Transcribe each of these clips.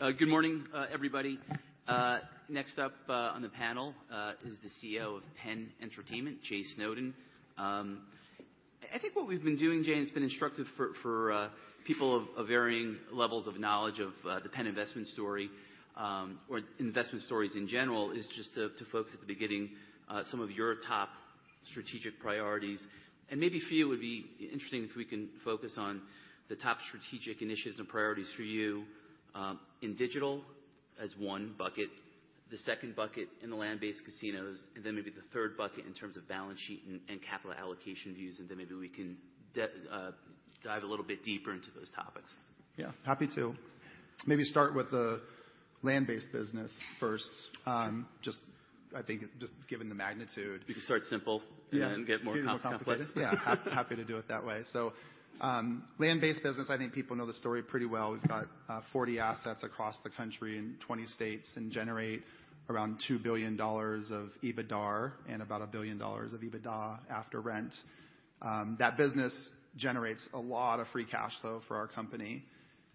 All right, good morning, everybody. Next up, on the panel, is the CEO of PENN Entertainment, Jay Snowden. I think what we've been doing, Jay, and it's been instructive for people of varying levels of knowledge of the PENN investment story, or investment stories in general, is just to folks at the beginning, some of your top strategic priorities. And maybe for you it would be interesting if we can focus on the top strategic initiatives and priorities for you, in digital as one bucket, the second bucket in the land-based casinos, and then maybe the third bucket in terms of balance sheet and capital allocation views, and then maybe we can dive a little bit deeper into those topics. Yeah, happy to. Maybe start with the land-based business first, just I think just given the magnitude. You can start simple and then get more complicated. Yeah, happy to do it that way. So, land-based business, I think people know the story pretty well. We've got 40 assets across the country in 20 states and generate around $2 billion of EBITDAR and about $1 billion of EBITDA after rent. That business generates a lot of free cash flow for our company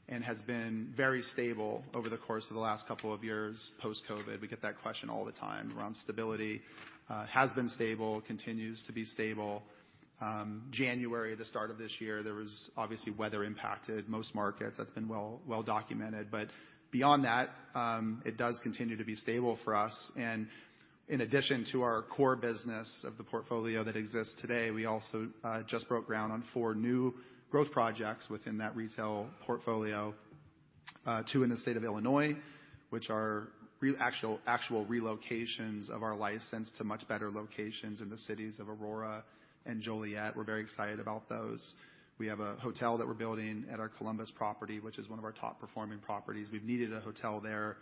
and has been very stable over the course of the last couple of years post-COVID. We get that question all the time around stability. Has been stable, continues to be stable. January, the start of this year, there was obviously weather impacted most markets. That's been well, well documented. But beyond that, it does continue to be stable for us. In addition to our core business of the portfolio that exists today, we also just broke ground on four new growth projects within that retail portfolio, two in the state of Illinois, which are actual relocations of our license to much better locations in the cities of Aurora and Joliet. We're very excited about those. We have a hotel that we're building at our Columbus property, which is one of our top-performing properties. We've needed a hotel there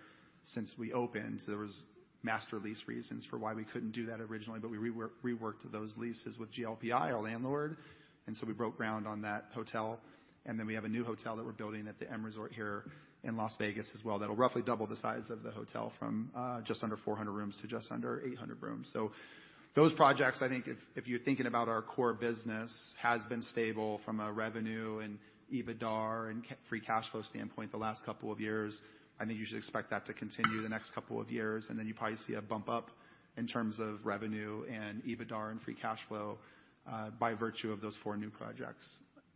since we opened. There was Master Lease reasons for why we couldn't do that originally, but we reworked those leases with GLPI, our landlord, and so we broke ground on that hotel. Then we have a new hotel that we're building at the M Resort here in Las Vegas as well that'll roughly double the size of the hotel from just under 400 rooms to just under 800 rooms. So those projects, I think, if, if you're thinking about our core business, has been stable from a revenue and EBITDAR and cash free cash flow standpoint the last couple of years. I think you should expect that to continue the next couple of years, and then you probably see a bump up in terms of revenue and EBITDAR and free cash flow, by virtue of those 4 new projects.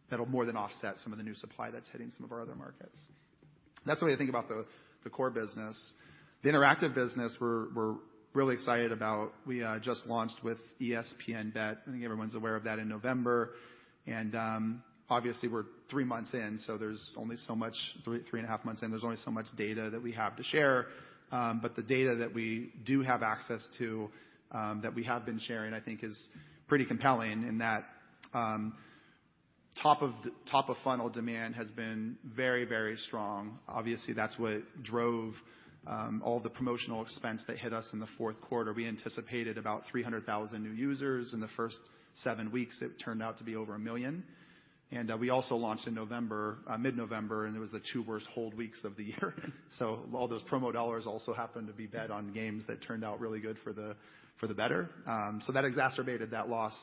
That'll more than offset some of the new supply that's hitting some of our other markets. That's the way to think about the, the core business. The interactive business, we're, we're really excited about. We just launched with ESPN BET. I think everyone's aware of that in November. Obviously, we're 3 months in, so there's only so much, 3, 3.5 months in. There's only so much data that we have to share. But the data that we do have access to, that we have been sharing, I think, is pretty compelling in that top of funnel demand has been very, very strong. Obviously, that's what drove all the promotional expense that hit us in the fourth quarter. We anticipated about 300,000 new users. In the first 7 weeks, it turned out to be over 1 million. We also launched in November, mid-November, and it was the 2 worst hold weeks of the year. So all those promo dollars also happened to be bet on games that turned out really good for the better. So that exacerbated that loss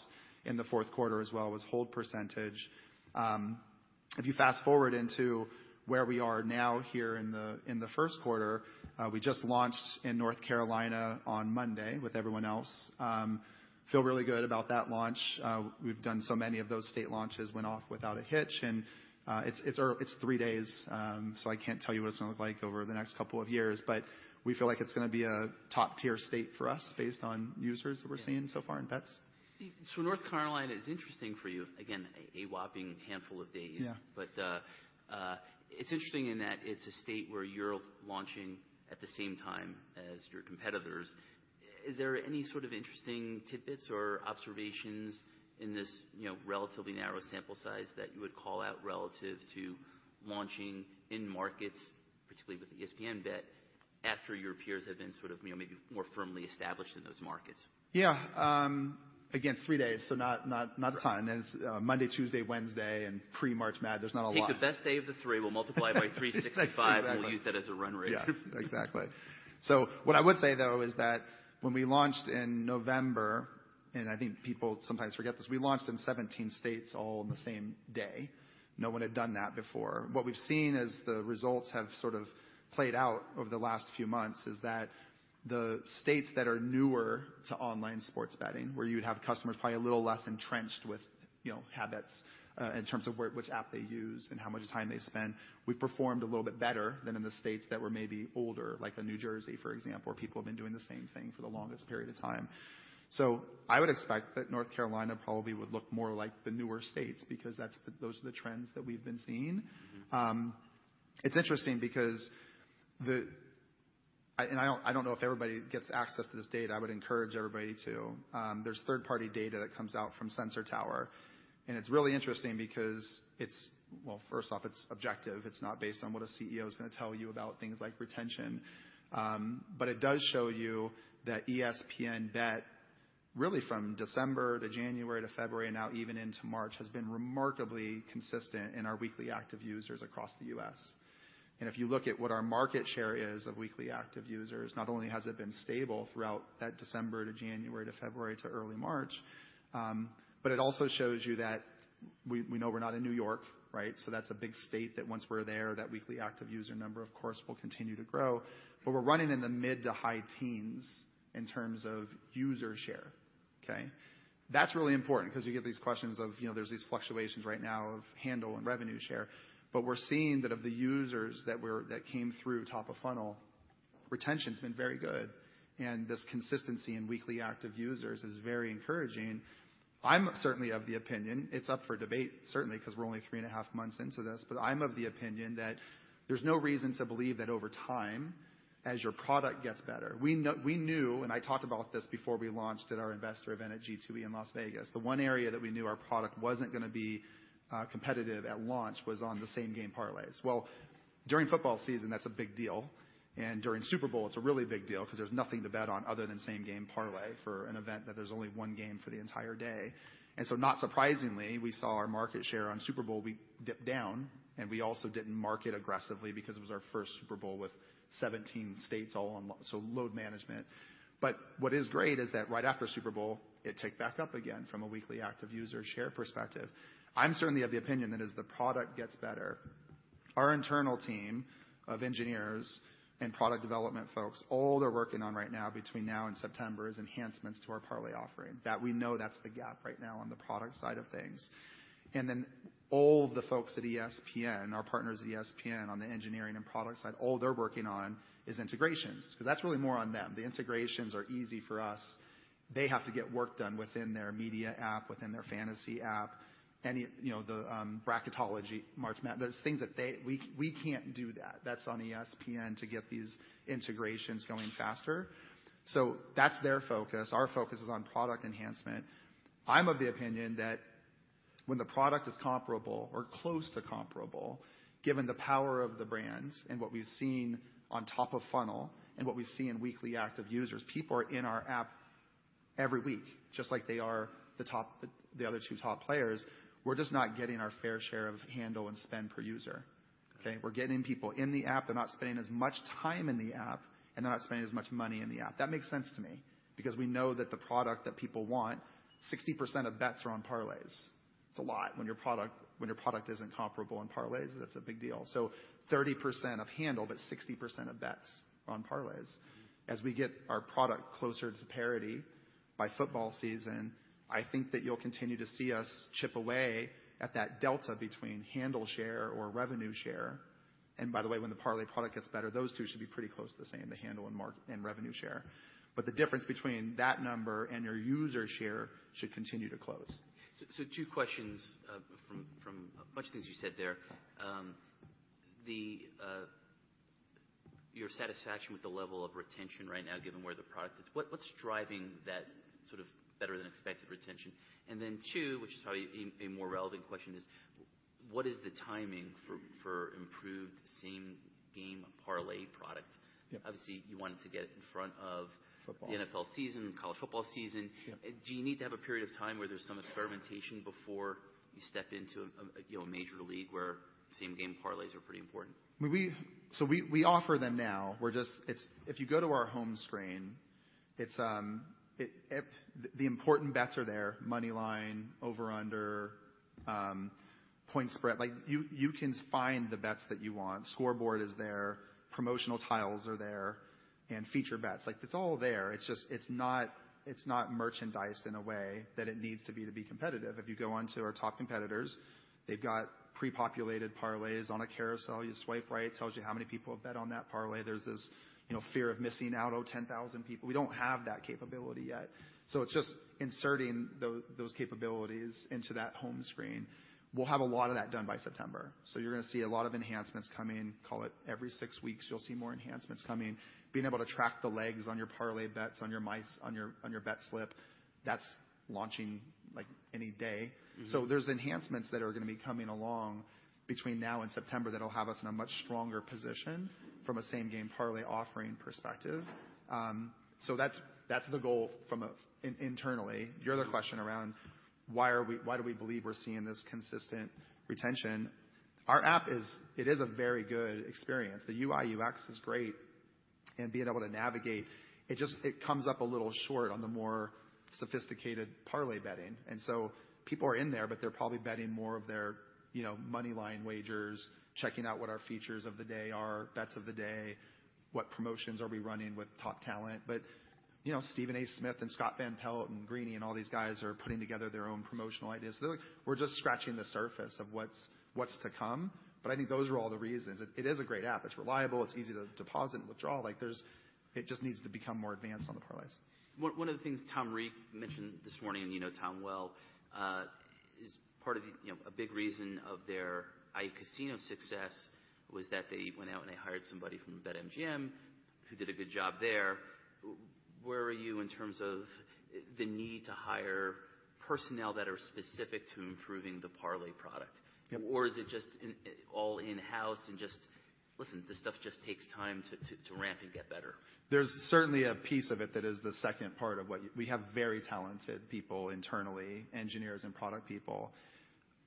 in the fourth quarter as well, was hold percentage. If you fast forward into where we are now here in the first quarter, we just launched in North Carolina on Monday with everyone else. We feel really good about that launch. We've done so many of those state launches went off without a hitch. And, it's, it's it's three days, so I can't tell you what it's gonna look like over the next couple of years. But we feel like it's gonna be a top-tier state for us based on users that we're seeing so far in bets. Yep. So North Carolina is interesting for you. Again, a whopping handful of days. Yeah. It's interesting in that it's a state where you're launching at the same time as your competitors. Is there any sort of interesting tidbits or observations in this, you know, relatively narrow sample size that you would call out relative to launching in markets, particularly with ESPN BET, after your peers have been sort of, you know, maybe more firmly established in those markets? Yeah. Again, it's three days, so not a ton. It's Monday, Tuesday, Wednesday, and pre-March Madness. There's not a lot. Take the best day of the 3. We'll multiply it by 365, and we'll use that as a run rate. Yes, exactly. So what I would say, though, is that when we launched in November and I think people sometimes forget this. We launched in 17 states all on the same day. No one had done that before. What we've seen as the results have sort of played out over the last few months is that the states that are newer to online sports betting, where you'd have customers probably a little less entrenched with, you know, habits, in terms of where which app they use and how much time they spend, we've performed a little bit better than in the states that were maybe older, like in New Jersey, for example, where people have been doing the same thing for the longest period of time. So I would expect that North Carolina probably would look more like the newer states because that's those are the trends that we've been seeing. It's interesting because I don't know if everybody gets access to this data. I would encourage everybody to. There's third-party data that comes out from Sensor Tower. And it's really interesting because it's well, first off, it's objective. It's not based on what a CEO's gonna tell you about things like retention. But it does show you that ESPN BET, really from December to January to February and now even into March, has been remarkably consistent in our weekly active users across the U.S. If you look at what our market share is of weekly active users, not only has it been stable throughout that December to January to February to early March, but it also shows you that we, we know we're not in New York, right? So that's a big state that once we're there, that weekly active user number, of course, will continue to grow. But we're running in the mid to high teens in terms of user share, okay? That's really important 'cause you get these questions of, you know, there's these fluctuations right now of handle and revenue share. But we're seeing that of the users that were that came through top of funnel, retention's been very good. And this consistency in weekly active users is very encouraging. I'm certainly of the opinion it's up for debate, certainly, 'cause we're only three and a half months into this. But I'm of the opinion that there's no reason to believe that over time, as your product gets better. We knew and I talked about this before we launched at our investor event at G2E in Las Vegas. The one area that we knew our product wasn't gonna be competitive at launch was on the same-game parlays. Well, during football season, that's a big deal. And during Super Bowl, it's a really big deal 'cause there's nothing to bet on other than same-game parlay for an event that there's only one game for the entire day. And so not surprisingly, we saw our market share on Super Bowl; we dipped down. And we also didn't market aggressively because it was our first Super Bowl with 17 states all on load management. But what is great is that right after Super Bowl, it ticked back up again from a weekly active user share perspective. I'm certainly of the opinion that as the product gets better, our internal team of engineers and product development folks, all they're working on right now between now and September is enhancements to our parlay offering, that we know that's the gap right now on the product side of things. Then all the folks at ESPN, our partners at ESPN on the engineering and product side, all they're working on is integrations 'cause that's really more on them. The integrations are easy for us. They have to get work done within their media app, within their fantasy app. And you know, the bracketology, March Madness, there's things that we can't do that. That's on ESPN to get these integrations going faster. That's their focus. Our focus is on product enhancement. I'm of the opinion that when the product is comparable or close to comparable, given the power of the brands and what we've seen on top of funnel and what we've seen in weekly active users (people are in our app every week just like they are to the top, the other two top players), we're just not getting our fair share of handle and spend per user, okay? We're getting people in the app. They're not spending as much time in the app, and they're not spending as much money in the app. That makes sense to me because we know that the product that people want, 60% of bets are on parlays. It's a lot. When your product isn't comparable on parlays, that's a big deal. So 30% of handle, but 60% of bets are on parlays. As we get our product closer to parity by football season, I think that you'll continue to see us chip away at that delta between handle share or revenue share. And by the way, when the parlay product gets better, those two should be pretty close to the same, the handle and margin and revenue share. But the difference between that number and your user share should continue to close. So, two questions from a bunch of things you said there. Your satisfaction with the level of retention right now, given where the product is. What's driving that sort of better-than-expected retention? And then two, which is probably a more relevant question, is what is the timing for improved same-game parlay product? Yep. Obviously, you wanted to get it in front of. Football. The NFL season, college football season. Yep. Do you need to have a period of time where there's some experimentation before you step into a you know a major league where Same-Game Parlays are pretty important? I mean, we offer them now. We're just—it's if you go to our home screen, it's, it's the important bets are there: money line, over/under, point spread. Like, you can find the bets that you want. Scoreboard is there. Promotional tiles are there and feature bets. Like, it's all there. It's just, it's not merchandised in a way that it needs to be to be competitive. If you go onto our top competitors, they've got prepopulated parlays on a carousel. You swipe right. It tells you how many people have bet on that parlay. There's this, you know, fear of missing out, oh, 10,000 people. We don't have that capability yet. So it's just inserting those capabilities into that home screen. We'll have a lot of that done by September. So you're gonna see a lot of enhancements coming. Call it every six weeks. You'll see more enhancements coming. Being able to track the legs on your parlay bets on your bet slip, that's launching, like, any day. Mm-hmm. So there's enhancements that are gonna be coming along between now and September that'll have us in a much stronger position from a same-game parlay offering perspective. So that's the goal internally. Your other question around why do we believe we're seeing this consistent retention? Our app is a very good experience. The UI/UX is great. And being able to navigate, it just comes up a little short on the more sophisticated parlay betting. And so people are in there, but they're probably betting more of their, you know, money line wagers, checking out what our features of the day are, bets of the day, what promotions are we running with top talent. But, you know, Stephen A. Smith and Scott Van Pelt and Greeny and all these guys are putting together their own promotional ideas. So they're like we're just scratching the surface of what's to come. But I think those are all the reasons. It is a great app. It's reliable. It's easy to deposit and withdraw. Like, it just needs to become more advanced on the parlays. One of the things Tom Reeg mentioned this morning, and you know Tom well, is part of the, you know, a big reason of their iCasino success was that they went out and they hired somebody from BetMGM who did a good job there. Where are you in terms of the need to hire personnel that are specific to improving the parlay product? Yep. Or is it just in all in-house and just, "Listen, this stuff just takes time to ramp and get better"? There's certainly a piece of it that is the second part of what we have very talented people internally, engineers and product people.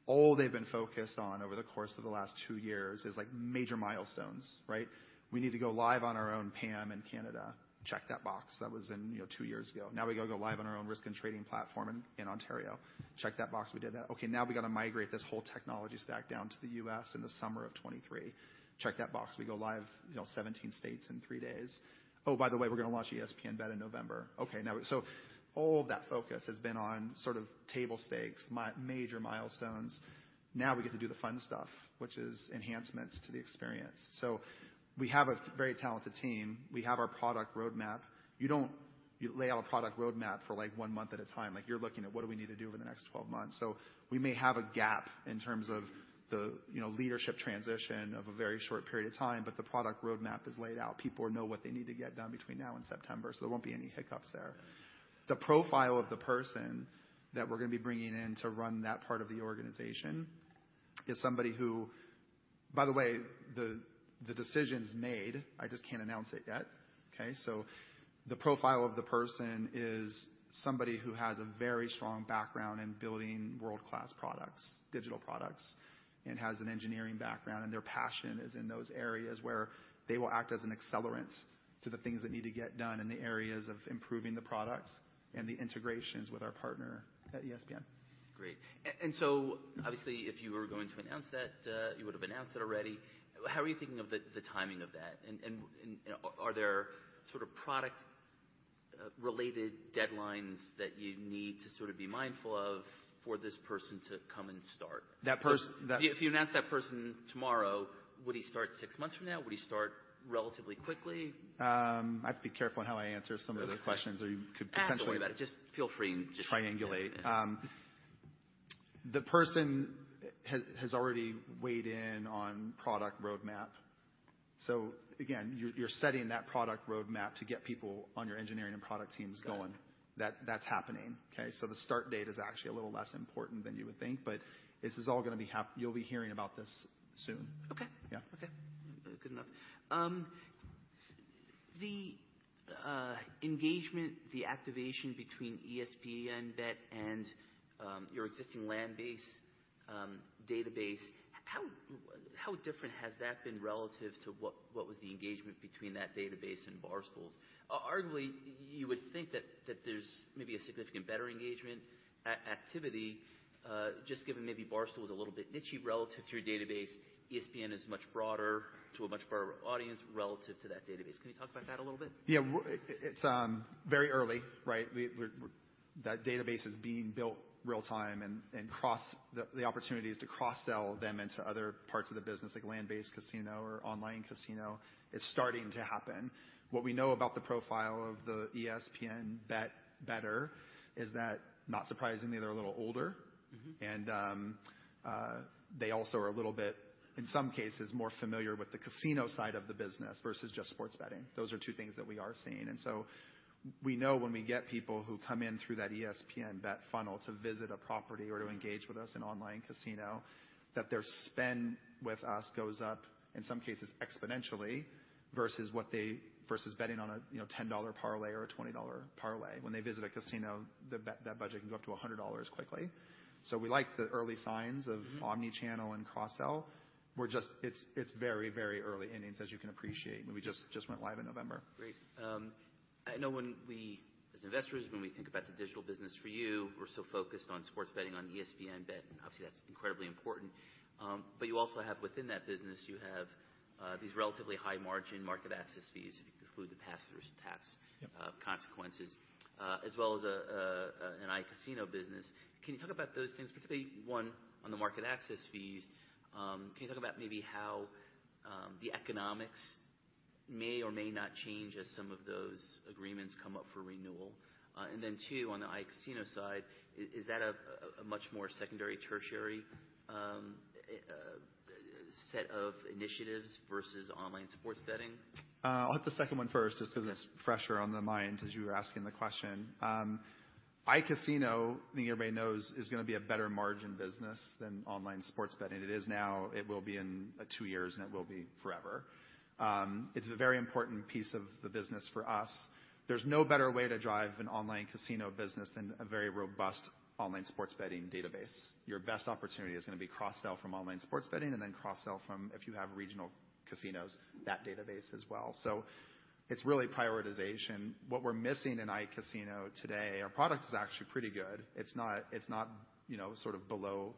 All they've been focused on over the course of the last two years is, like, major milestones, right? We need to go live on our own PAM in Canada. Check that box. That was in, you know, two years ago. Now we gotta go live on our own risk and trading platform in, in Ontario. Check that box. We did that. Okay. Now we gotta migrate this whole technology stack down to the U.S. in the summer of 2023. Check that box. We go live, you know, 17 states in three days. Oh, by the way, we're gonna launch ESPN BET in November. Okay. Now we so all of that focus has been on sort of table stakes, major milestones. Now we get to do the fun stuff, which is enhancements to the experience. So we have a very talented team. We have our product roadmap. You don't lay out a product roadmap for, like, one month at a time. Like, you're looking at, "What do we need to do over the next 12 months?" So we may have a gap in terms of the, you know, leadership transition of a very short period of time, but the product roadmap is laid out. People know what they need to get done between now and September, so there won't be any hiccups there. The profile of the person that we're gonna be bringing in to run that part of the organization is somebody who by the way, the decision's made. I just can't announce it yet, okay? The profile of the person is somebody who has a very strong background in building world-class products, digital products, and has an engineering background. Their passion is in those areas where they will act as an accelerant to the things that need to get done in the areas of improving the products and the integrations with our partner at ESPN. Great. And so obviously, if you were going to announce that, you would have announced it already. How are you thinking of the timing of that? And, you know, are there sort of product-related deadlines that you need to sort of be mindful of for this person to come and start? That person that. If you announce that person tomorrow, would he start six months from now? Would he start relatively quickly? I have to be careful on how I answer some of the questions. Okay. Or you could potentially. I have to worry about it. Just feel free and just. Triangulate. The person has already weighed in on product roadmap. So again, you're setting that product roadmap to get people on your engineering and product teams going. That's happening, okay? So the start date is actually a little less important than you would think. But this is all gonna be happening, you'll be hearing about this soon. Okay. Yeah. Okay. Good enough. The engagement, the activation between ESPN BET and your existing land-based database, how different has that been relative to what was the engagement between that database and Barstool's? Arguably, you would think that there's maybe a significant better engagement activity, just given maybe Barstool's is a little bit niche-y relative to your database. ESPN is much broader to a much broader audience relative to that database. Can you talk about that a little bit? Yeah. It's very early, right? That database is being built real-time and across the opportunities to cross-sell them into other parts of the business, like land-based casino or online casino, is starting to happen. What we know about the profile of the ESPN BET bettor is that, not surprisingly, they're a little older. Mm-hmm. They also are a little bit, in some cases, more familiar with the casino side of the business versus just sports betting. Those are two things that we are seeing. So we know when we get people who come in through that ESPN BET funnel to visit a property or to engage with us in online casino, that their spend with us goes up, in some cases, exponentially versus what they bet on a, you know, $10 parlay or a $20 parlay. When they visit a casino, the bet, that budget can go up to $100 quickly. So we like the early signs of. Mm-hmm. Omnichannel and cross-sell. We're just—it's very, very early innings, as you can appreciate. I mean, we just went live in November. Great. I know when we as investors, when we think about the digital business for you, we're so focused on sports betting on ESPN BET. And obviously, that's incredibly important. But you also have within that business, you have these relatively high-margin market access fees if you exclude the pass-throughs tax. Yep. consequences, as well as an iCasino business. Can you talk about those things, particularly one on the market access fees? Can you talk about maybe how the economics may or may not change as some of those agreements come up for renewal? And then two, on the iCasino side, is that a much more secondary, tertiary set of initiatives versus online sports betting? I'll hit the second one first just 'cause it's. Okay. Fresher on the mind as you were asking the question. iCasino, I think everybody knows, is gonna be a better-margin business than online sports betting. It is now. It will be in 2 years, and it will be forever. It's a very important piece of the business for us. There's no better way to drive an online casino business than a very robust online sports betting database. Your best opportunity is gonna be cross-sell from online sports betting and then cross-sell from, if you have regional casinos, that database as well. So it's really prioritization. What we're missing in iCasino today, our product is actually pretty good. It's not, you know, sort of below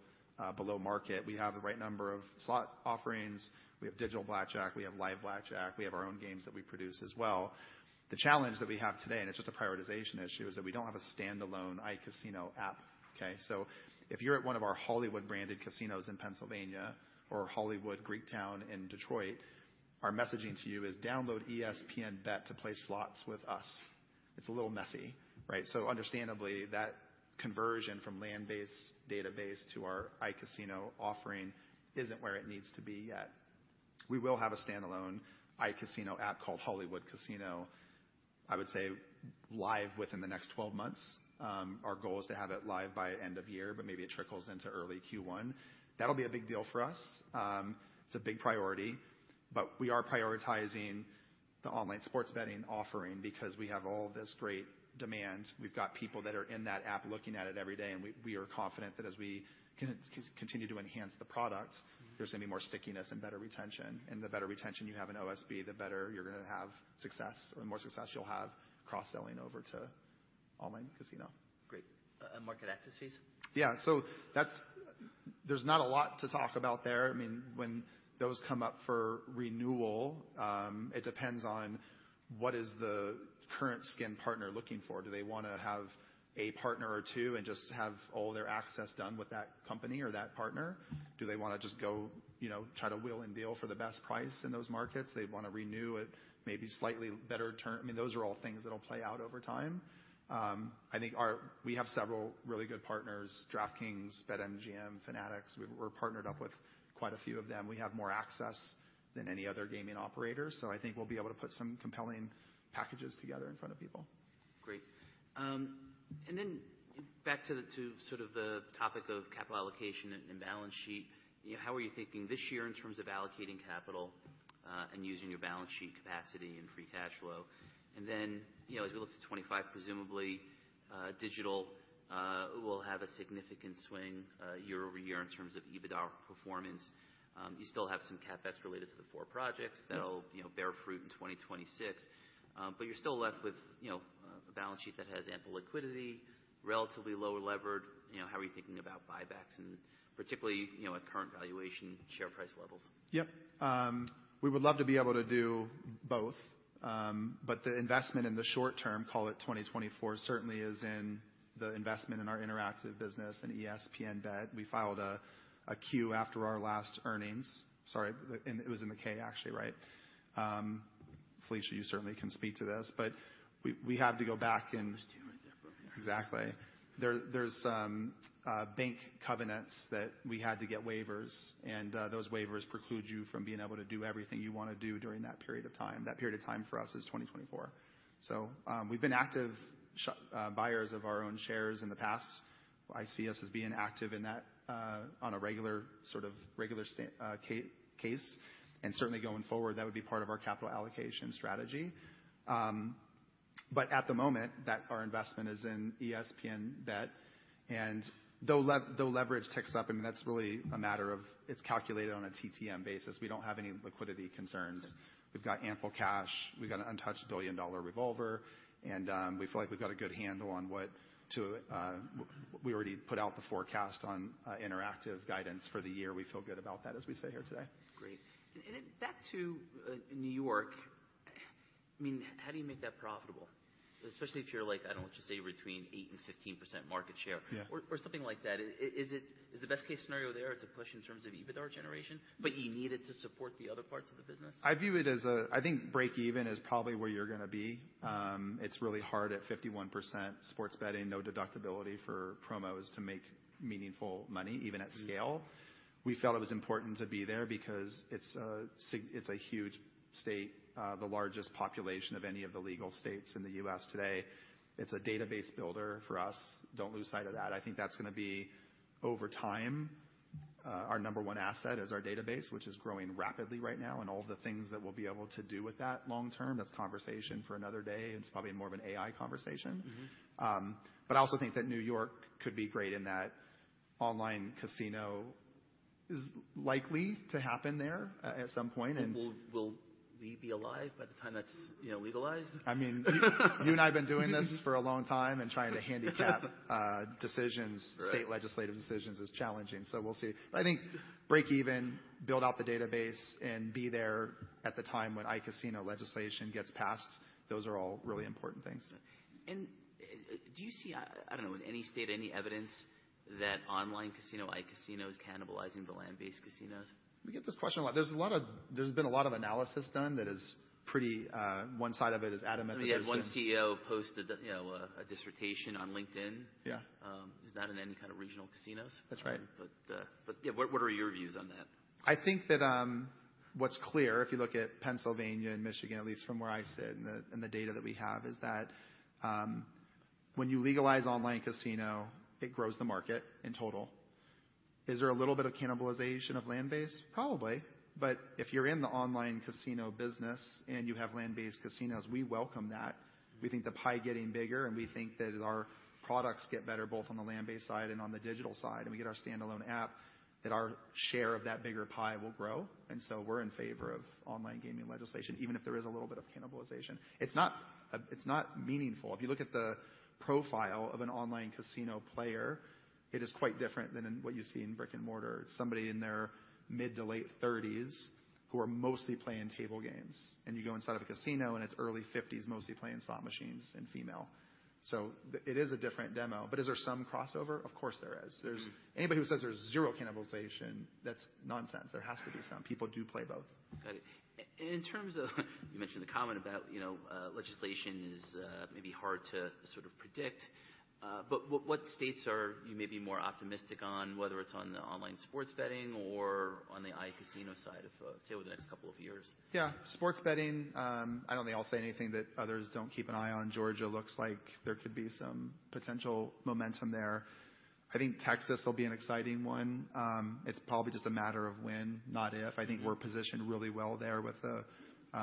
market. We have the right number of slot offerings. We have digital blackjack. We have live blackjack. We have our own games that we produce as well. The challenge that we have today, and it's just a prioritization issue, is that we don't have a standalone iCasino app, okay? So if you're at one of our Hollywood-branded casinos in Pennsylvania or Hollywood Greektown in Detroit, our messaging to you is, "Download ESPN Bet to play slots with us." It's a little messy, right? So understandably, that conversion from landbase database to our iCasino offering isn't where it needs to be yet. We will have a standalone iCasino app called Hollywood Casino, I would say, live within the next 12 months. Our goal is to have it live by end of year, but maybe it trickles into early Q1. That'll be a big deal for us. It's a big priority. But we are prioritizing the online sports betting offering because we have all this great demand. We've got people that are in that app looking at it every day. We are confident that as we can continue to enhance the product. Mm-hmm. There's gonna be more stickiness and better retention. The better retention you have in OSB, the better you're gonna have success or the more success you'll have cross-selling over to online casino. Great. And market access fees? Yeah. So that's, there's not a lot to talk about there. I mean, when those come up for renewal, it depends on what is the current skin partner looking for. Do they wanna have a partner or two and just have all their access done with that company or that partner? Do they wanna just go, you know, try to wheel and deal for the best price in those markets? They wanna renew at maybe slightly better terms. I mean, those are all things that'll play out over time. I think we have several really good partners: DraftKings, BetMGM, Fanatics. We've, we're partnered up with quite a few of them. We have more access than any other gaming operator. So I think we'll be able to put some compelling packages together in front of people. Great. And then back to sort of the topic of capital allocation and balance sheet, you know, how are you thinking this year in terms of allocating capital, and using your balance sheet capacity and free cash flow? And then, you know, as we look to 2025, presumably, digital will have a significant swing, year-over-year in terms of EBITDA performance. You still have some CapEx related to the four projects. Mm-hmm. That'll, you know, bear fruit in 2026. But you're still left with, you know, a balance sheet that has ample liquidity, relatively low-levered. You know, how are you thinking about buybacks and particularly, you know, at current valuation, share price levels? Yep. We would love to be able to do both. But the investment in the short term, call it 2024, certainly is in the investment in our interactive business and ESPN BET. We filed a Q after our last earnings. Sorry. And it was in the K, actually, right? Felicia, you certainly can speak to this. But we have to go back in. Just do it right there for a minute. Exactly. There's bank covenants that we had to get waivers. And those waivers preclude you from being able to do everything you wanna do during that period of time. That period of time for us is 2024. So, we've been active share buyers of our own shares in the past. I see us as being active in that, on a regular sort of regular state-by-case. And certainly going forward, that would be part of our capital allocation strategy. But at the moment, our investment is in ESPN BET. And though leverage ticks up, I mean, that's really a matter of it's calculated on a TTM basis. We don't have any liquidity concerns. Okay. We've got ample cash. We've got an untouched billion-dollar revolver. We feel like we've got a good handle on what we already put out the forecast on, interactive guidance for the year. We feel good about that as we sit here today. Great. And then back to New York. I mean, how do you make that profitable, especially if you're, like, I don't know what you say, between 8% and 15% market share. Yeah. Or, or something like that? Is it the best-case scenario there, it's a push in terms of EBITDA generation, but you need it to support the other parts of the business? I view it as a I think break-even is probably where you're gonna be. It's really hard at 51% sports betting, no deductibility for promos to make meaningful money, even at scale. Mm-hmm. We felt it was important to be there because it's a huge state, the largest population of any of the legal states in the U.S. today. It's a database builder for us. Don't lose sight of that. I think that's gonna be over time, our number one asset is our database, which is growing rapidly right now. And all of the things that we'll be able to do with that long-term, that's conversation for another day. It's probably more of an AI conversation. Mm-hmm. I also think that New York could be great in that online casino is likely to happen there, at some point. Will we be alive by the time that's, you know, legalized? I mean, you, you and I have been doing this for a long time and trying to handicap. Right. Decisions, state legislative decisions, is challenging. So we'll see. But I think break-even, build out the database, and be there at the time when iCasino legislation gets passed, those are all really important things. Do you see, I don't know, in any state, any evidence that online casino, iCasino is cannibalizing the land-based casinos? We get this question a lot. There's been a lot of analysis done that is pretty, one side of it is adamant that there's been. I mean, you had one CEO post a day you know, a dissertation on LinkedIn. Yeah. Is that in any kind of regional casinos? That's right. Yeah, what are your views on that? I think that, what's clear, if you look at Pennsylvania and Michigan, at least from where I sit and the data that we have, is that, when you legalize online casino, it grows the market in total. Is there a little bit of cannibalization of land-based? Probably. But if you're in the online casino business and you have land-based casinos, we welcome that. We think the pie getting bigger, and we think that as our products get better both on the land-based side and on the digital side and we get our standalone app, that our share of that bigger pie will grow. And so we're in favor of online gaming legislation, even if there is a little bit of cannibalization. It's not. It's not meaningful. If you look at the profile of an online casino player, it is quite different than in what you see in brick and mortar. It's somebody in their mid- to late 30s who are mostly playing table games. And you go inside of a casino, and it's early 50s, mostly playing slot machines and female. So it is a different demo. But is there some crossover? Of course, there is. There's. Mm-hmm. Anybody who says there's zero cannibalization, that's nonsense. There has to be some. People do play both. Got it. And in terms of you mentioned the comment about, you know, legislation is maybe hard to sort of predict. But what states are you maybe more optimistic on, whether it's on the online sports betting or on the iCasino side of, say, over the next couple of years? Yeah. Sports betting, I don't think I'll say anything that others don't keep an eye on. Georgia looks like there could be some potential momentum there. I think Texas will be an exciting one. It's probably just a matter of when, not if. I think we're positioned really well there with the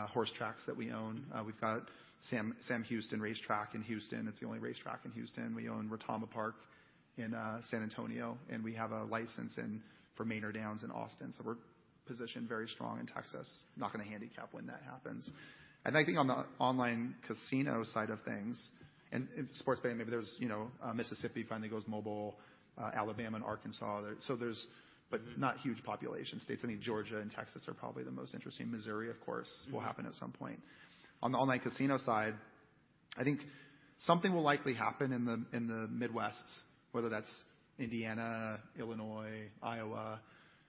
horse tracks that we own. We've got Sam Houston Race Park in Houston. It's the only racetrack in Houston. We own Retama Park in San Antonio. And we have a license in for Manor Downs in Austin. So we're positioned very strong in Texas, not gonna handicap when that happens. And I think on the online casino side of things and sports betting, maybe there's, you know, Mississippi finally goes mobile, Alabama and Arkansas. They're so there are but not huge population states. I think Georgia and Texas are probably the most interesting. Missouri, of course, will happen at some point. On the online casino side, I think something will likely happen in the Midwest, whether that's Indiana, Illinois, Iowa.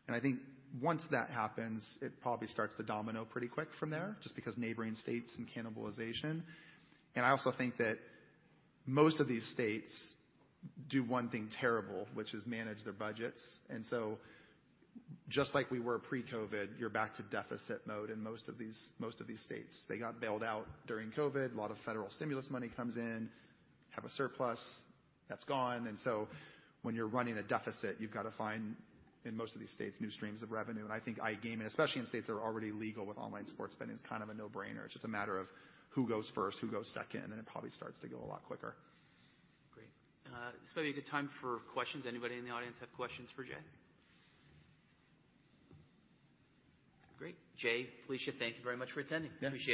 And I think once that happens, it probably starts to domino pretty quick from there just because neighboring states and cannibalization. And I also think that most of these states do one thing terrible, which is manage their budgets. And so just like we were pre-COVID, you're back to deficit mode in most of these states. They got bailed out during COVID. A lot of federal stimulus money comes in, have a surplus. That's gone. And so when you're running a deficit, you've gotta find in most of these states new streams of revenue. And I think iGaming, especially in states that are already legal with online sports betting, is kind of a no-brainer. It's just a matter of who goes first, who goes second. And then it probably starts to go a lot quicker. Great. This may be a good time for questions. Anybody in the audience have questions for Jay? Great. Jay, Felicia, thank you very much for attending. Yeah. Appreciate it.